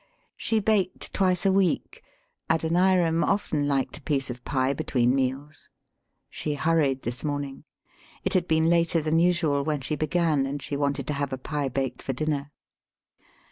[She baked twice a week. Adoni ram often liked a piece of pie between meals. She hurried this morning. It had been later than usual when she began, and she wanted to have a pie baked for dinner.